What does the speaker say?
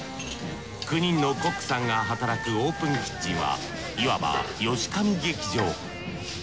９人のコックさんが働くオープンキッチンはいわばヨシカミ劇場。